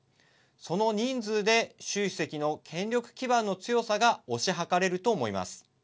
その人数で習主席の権力基盤の強さが推し量れると思います。